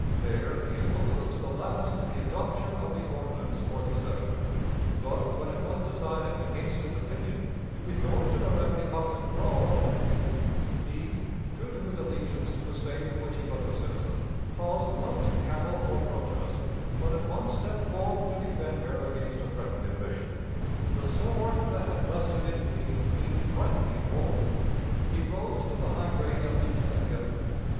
There he opposed to the last the adoption of the ordinance for secession; but, when it was decided, against his opinion, to resort to the remedy of withdrawal from the Union, he, true to his allegiance to the State of which he was a citizen, paused not to cavil or protest, but at once stepped forth to defend her against a threatened invasion. The sword that had rusted in peace gleamed brightly in war. He rose to the high grade of lieutenant general.